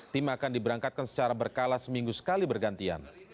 tim akan diberangkatkan secara berkala seminggu sekali bergantian